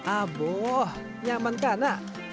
aboh nyaman kan ah